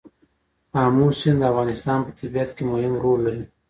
آمو سیند د افغانستان په طبیعت کې مهم رول لري.